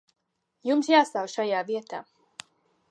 Jums jāstāv šajā vietā.